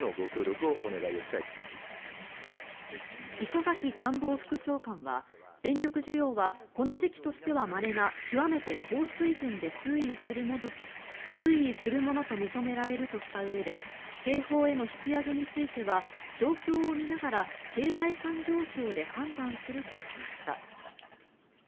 磯崎官房副長官は電力需要はこの時期としてはまれな極めて高水準で推移するものと認められるとしたうえで警報への引き上げについては状況を見ながら経済産業省で判断するとしました。